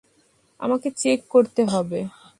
আমাকে চেক করতে হবে।